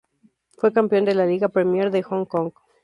Fue campeón de la Liga Premier de Hong Kong.